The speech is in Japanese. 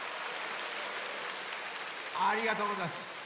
ありがとうござんす。